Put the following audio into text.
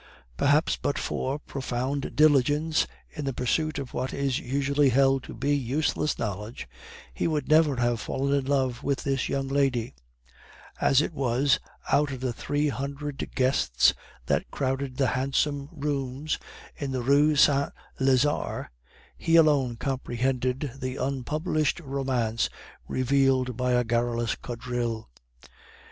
Perhaps but for profound diligence in the pursuit of what is usually held to be useless knowledge, he would never have fallen in love with this young lady; as it was, out of the three hundred guests that crowded the handsome rooms in the Rue Saint Lazare, he alone comprehended the unpublished romance revealed by a garrulous quadrille.